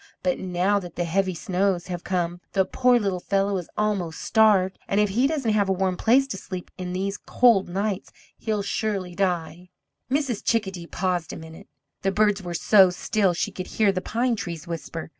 But now that the heavy snows have come, the poor little fellow is almost starved, and if he doesn't have a warm place to sleep in these cold nights, he'll surely die!" Mrs. Chickadee paused a minute. The birds were so still one could hear the pine trees whisper.